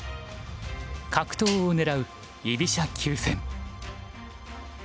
角頭を狙う居飛車急戦。